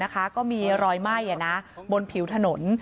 ก็มีรอยไหม้บนผิวถนน